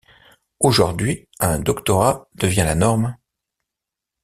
Aujourd'hui, un doctorat devient la norme.